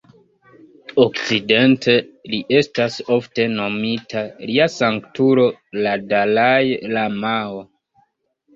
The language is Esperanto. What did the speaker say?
Okcidente, li estas ofte nomita "Lia Sanktulo la Dalai-lamao".